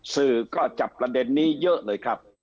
สื่อก็จับประเด็นนี้เยอะเลยครับ